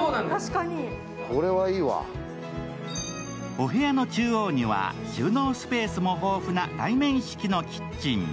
お部屋の中央には収納スペースも豊富な対面式のキッチン。